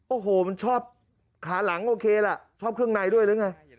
โอ้โหมันชอบขาหลังโอเคล่ะชอบเครื่องในด้วยหรือไง